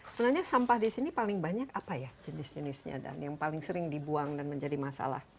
sebenarnya sampah di sini paling banyak apa ya jenis jenisnya dan yang paling sering dibuang dan menjadi masalah